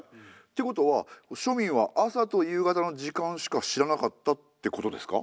てことは庶民は朝と夕方の時間しか知らなかったってことですか？